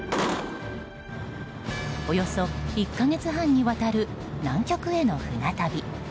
およそ１か月半にわたる南極への船旅。